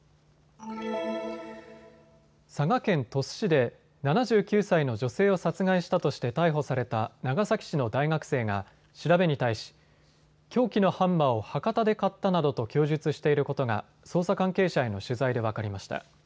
佐賀県鳥栖市で７９歳の女性を殺害したとして逮捕された長崎市の大学生が調べに対し凶器のハンマーを博多で買ったなどと供述していることが捜査関係者への取材で分かりました。